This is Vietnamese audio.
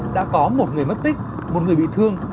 đã có một người mất tích một người bị thương